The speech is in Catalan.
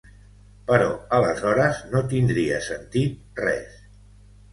Però aleshores no tindria sentit res.